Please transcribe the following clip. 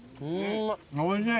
おいしい！